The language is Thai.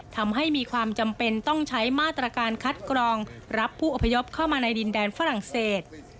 ทำให้มีความจำเป็นต้องใช้มาตรการคัดกรองรับผู้อพยพเข้ามาในดินแดนฝรั่งเศส